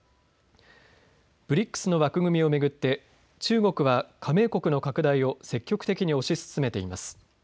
ＢＲＩＣＳの枠組みを巡って中国は加盟国の拡大を積極的に推し進めています。